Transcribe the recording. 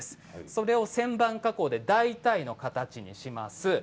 それを旋盤加工で大体の形にします。